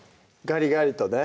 ガリガリとね